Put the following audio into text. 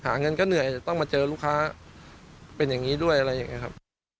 เงินก็เหนื่อยจะต้องมาเจอลูกค้าเป็นอย่างนี้ด้วยอะไรอย่างนี้ครับ